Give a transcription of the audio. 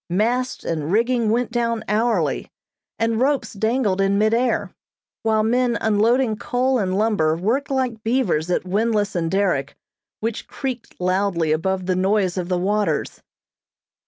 Masts and rigging went down hourly, and ropes dangled in mid air, while men unloading coal and lumber worked like beavers at windlass and derrick, which creaked loudly above the noise of the waters.